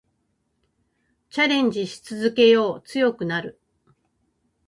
チャレンジし続けよう。強くなる。